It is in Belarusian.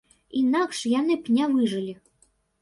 Інакш яны б не выжылі.